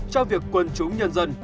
cho việc quân chúng nhân dân